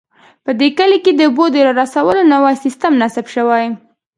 په دې کلي کې د اوبو د رارسولو نوی سیستم نصب شوی